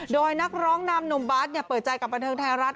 โดยนักร้องนำหนุ่มบาทเปิดใจกับบันเทิงไทยรัฐ